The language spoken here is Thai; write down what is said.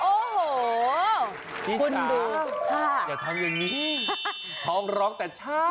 อ้าวเฮ้ยโอ้โหโอ้โหคุณดูค่ะจะทำอย่างนี้พ้องร้องแต่ช้า